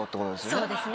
そうですね。